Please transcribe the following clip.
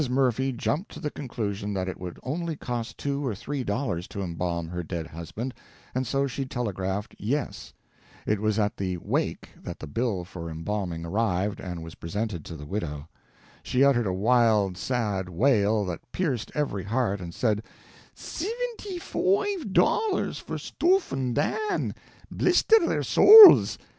Murphy jumped to the conclusion that it would only cost two or three dollars to embalm her dead husband, and so she telegraphed "Yes." It was at the "wake" that the bill for embalming arrived and was presented to the widow. She uttered a wild, sad wail, that pierced every heart, and said: "Sivinty foive dollars for stoofhn' Dan, blister their sowls!